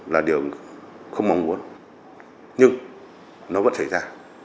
chậm hủy chuyến là điều không mong muốn nhưng nó vẫn xảy ra